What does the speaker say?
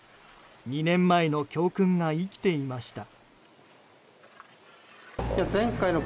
２年前の教訓が生きていました。